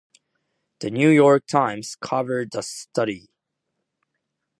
"The New York Times" covered the study.